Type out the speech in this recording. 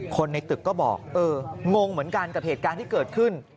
ในตึกก็บอกเอองงเหมือนกันกับเหตุการณ์ที่เกิดขึ้น